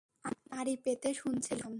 আমি আড়ি পেতে শুনছিলাম।